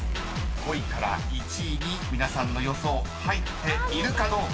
［５位から１位に皆さんの予想入っているかどうか？］